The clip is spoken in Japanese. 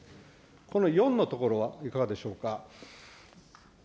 この４のところはいかがでしょうか。